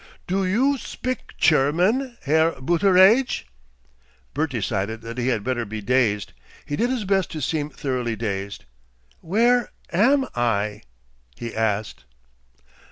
"Do you spik Cherman, Herr Booteraidge?" Bert decided that he had better be dazed. He did his best to seem thoroughly dazed. "Where AM I?" he asked.